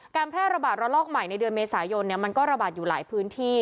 แพร่ระบาดระลอกใหม่ในเดือนเมษายนมันก็ระบาดอยู่หลายพื้นที่